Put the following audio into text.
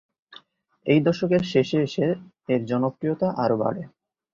এই দশকের শেষে এসে এর জনপ্রিয়তা আরো বাড়ে।